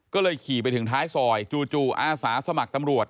ก็เลยขี่ไปถึงท้ายซอยจู่อาสาสมัครตำรวจ